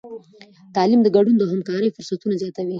تعلیم د ګډون او همکارۍ فرصتونه زیاتوي.